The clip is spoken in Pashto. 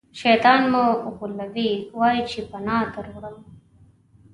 شیطان مو غولوي ووایئ چې پناه دروړم.